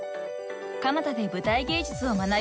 ［蒲田で舞台芸術を学び